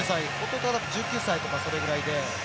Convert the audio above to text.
弟は１９歳とかそれぐらい。